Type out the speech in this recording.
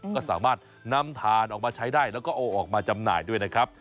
ก็สามารถนำถ่านออกมาใช้ได้แล้วก็เอาออกมาจำหน่ายด้วยนะครับ